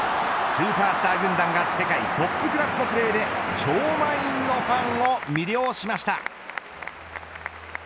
スーパースター軍団が世界トップクラスのプレーで超満員のファンを魅了しました。